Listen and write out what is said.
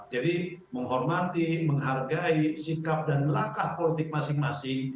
jadi menghormati menghargai sikap dan langkah politik masing masing